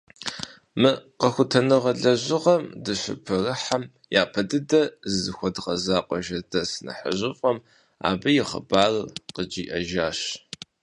Мы къэхутэныгъэ лэжьыгъэм дыщыпэрыхьэм, япэ дыдэ зызыхуэдгъэза къуажэдэс нэхъыжьыфӏым абы и хъыбарыр къыджиӏэжащ.